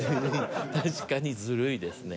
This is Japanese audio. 確かにずるいですね。